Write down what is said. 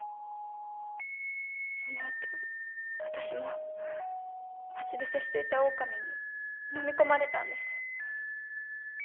そのあと私も待ち伏せしていたオオカミに呑み込まれたんです。